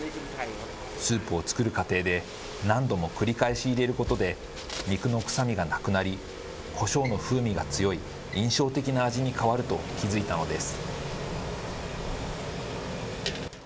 スープを作る過程で何度も繰り返し入れることで、肉の臭みがなくなり、こしょうの風味が強い印象的な味に変わると気付いたのです。